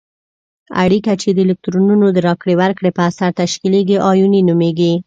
اړیکه چې د الکترونونو د راکړې ورکړې په اثر تشکیلیږي آیوني نومیږي.